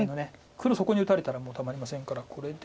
黒そこに打たれたらもうたまりませんからこれで。